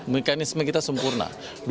mekanisme kita sempurna